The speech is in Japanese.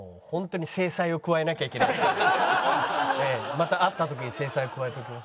また会った時に制裁を加えておきます。